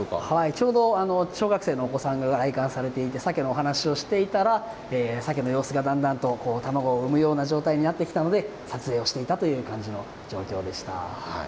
ちょうど小学生のお子さんが来館していてさけの話をしていたらさけの様子が、だんだんと卵を産む状態になってきたので撮影をしていたという状況でした。